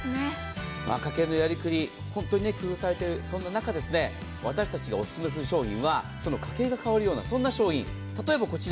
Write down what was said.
家計のやりくり、本当に工夫されている中、私たちがオススメする商品はそんな家計が変わるようなそんな商品、例えばこちら。